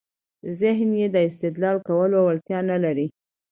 ذهن يې د استدلال کولو وړتیا نلري.